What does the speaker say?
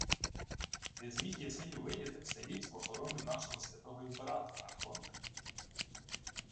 — Не зміг єси й увидіти все ліпство хоромів нашого святого імператора, архонте?